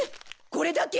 これだけ？